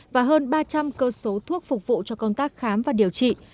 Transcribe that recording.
và hơn ba trăm linh cơ số thuốc phục vụ cho công tác khám và điều trị